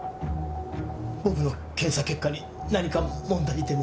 僕の検査結果に何か問題でも？